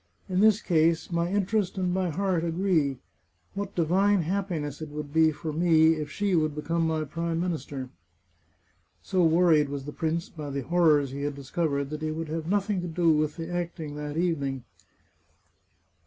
In this case my interest and my heart agree. What divine happiness it would be for me, if she would become my Prime Minister !" 480 The Chartreuse of Parma So worried was the prince by the horrors he had discov ered, that he would have nothing to do with the acting that evening.